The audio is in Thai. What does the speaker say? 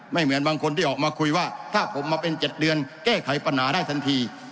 เหมือนบางคนที่ออกมาคุยว่าถ้าผมมาเป็น๗เดือนแก้ไขปัญหาได้ทันที